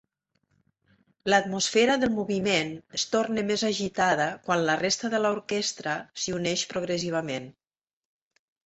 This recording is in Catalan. L'atmosfera del moviment es torna més agitada quan la resta de l'orquestra s'hi uneix progressivament.